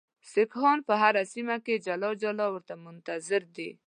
سیکهان په هره سیمه کې جلا جلا ورته منتظر دي.